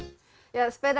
kerajaan bandar bambu sepedagi